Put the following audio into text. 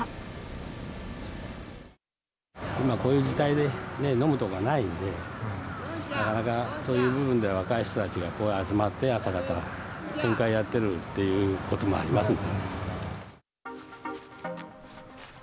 今、こういう時代で飲む所がないんで、なかなかそういう部分では、若い人たちがここへ集まって、朝方、宴会やってるっていうこともありますんでね。